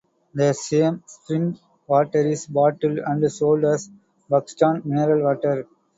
The same spring water is bottled and sold as Buxton Mineral Water.